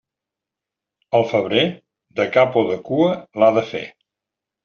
El febrer, de cap o de cua, l'ha de fer.